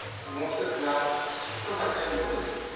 もう一つはきちっと数えることです。